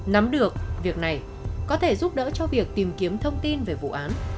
nắm được việc này có thể giúp đỡ cho việc tìm kiếm thông tin về vụ án